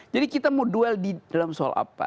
jadi kita mau duel di dalam soal apa